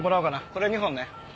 これ２本ね。